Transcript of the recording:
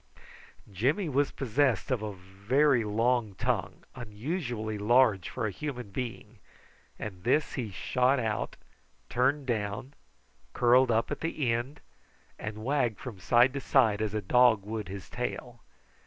Jimmy was possessed of a very long tongue, unusually large for a human being, and this he shot out, turned down, curled up at the end, and wagged from side to side as a dog would his tail.